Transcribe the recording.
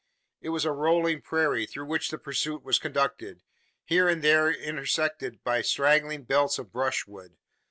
It was a rolling prairie through which the pursuit was conducted, here and there intersected by straggling belts of brushwood.